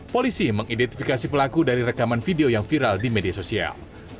polisi mengidentifikasi pelaku dari rekaman video yang viral di media sosial